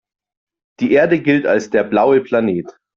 Die Erde gilt als der „blaue Planet“.